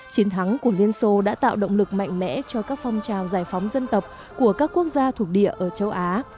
chiến thắng của liên xô đã tạo động lực mạnh mẽ cho các phong trào giải phóng dân tộc của các quốc gia thuộc địa ở châu á